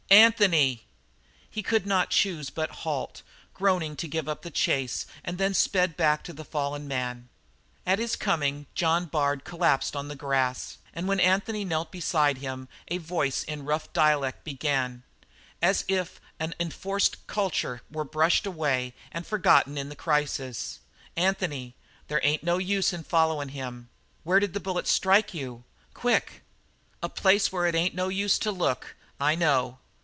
"Anthony!" He could not choose but halt, groaning to give up the chase, and then sped back to the fallen man. At his coming John Bard collapsed on the grass, and when Anthony knelt beside him a voice in rough dialect began, as if an enforced culture were brushed away and forgotten in the crisis: "Anthony, there ain't no use in followin' him!" "Where did the bullet strike you? Quick!" "A place where it ain't no use to look. I know!"